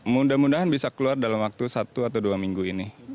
mudah mudahan bisa keluar dalam waktu satu atau dua minggu ini